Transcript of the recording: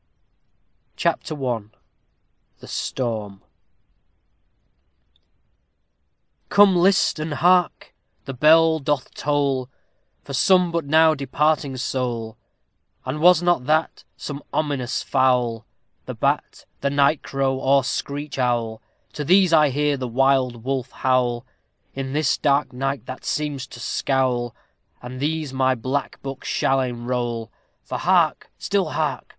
CHAPTER I THE STORM Come, list, and hark! the bell doth towle, For some but now departing sowle; And was not that some ominous fowle? The bat, the night crow, or screech owle? To these I hear the wild wolf howle, In this dark night that seems to scowle; All these my blacke booke shall enrowle, For hark! still hark!